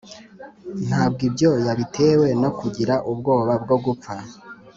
ntabwo ibyo yabitewe no kugira ubwoba bwo gupfa